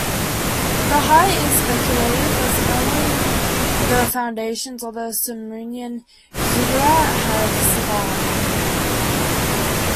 The height is speculative, as only the foundations of the Sumerian ziggurat have survived.